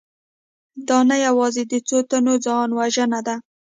دا نه یوازې د څو تنو ځانوژنه ده